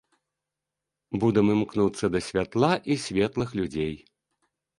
Будам імкнуцца да святла і светлых людзей.